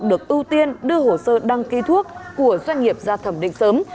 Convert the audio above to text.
được ưu tiên đưa hồ sơ đăng ký thuốc của doanh nghiệp ra thẩm định sớm